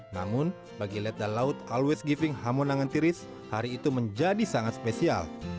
namun bagi let the laut always giving hamonangan tiris hari itu menjadi sangat spesial